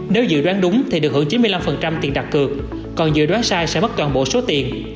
nếu dự đoán đúng thì được hưởng chín mươi năm tiền đặt cược còn dự đoán sai sẽ mất toàn bộ số tiền